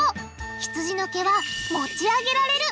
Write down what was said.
ひつじの毛は持ち上げられる。